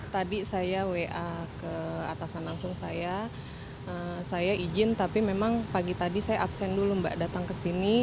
tadi saya wa ke atasan langsung saya saya izin tapi memang pagi tadi saya absen dulu mbak datang ke sini